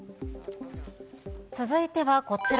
続いてはこちら。